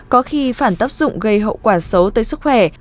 có khi phản tác dụng gây hậu quả xấu tới sức khỏe